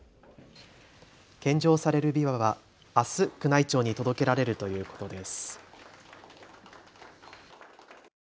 献上されるびわは、あす宮内庁に届けられるということです。